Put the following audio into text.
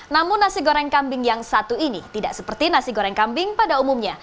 namun nasi goreng kambing yang satu ini tidak seperti nasi goreng kambing pada umumnya